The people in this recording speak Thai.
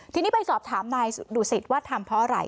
ทีนี้ไปสอบถามนายดูสิตว่าทำเพราะอะไร